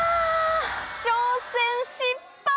挑戦失敗！